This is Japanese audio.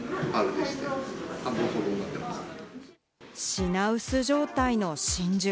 品薄状態の真珠。